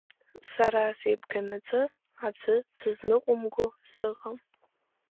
Сара сеибганаҵы аӡәы дсызныҟәымго сыҟам!